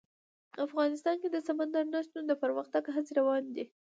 افغانستان کې د سمندر نه شتون د پرمختګ هڅې روانې دي.